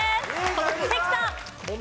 関さん。